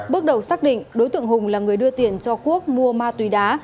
bước đầu xác định đối tượng hùng là người đưa tiền cho quốc mua ma túy đá